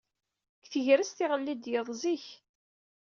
Deg tegrest, iɣelli-d yiḍ zik.